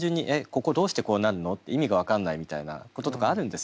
ここどうしてこうなるの？って意味が分かんないみたいなこととかあるんですよ。